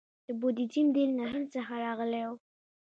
د بودیزم دین له هند څخه راغلی و